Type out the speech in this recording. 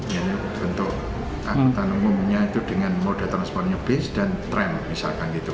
yang bentuk tanung bumbunya itu dengan moda transportnya base dan tram misalkan gitu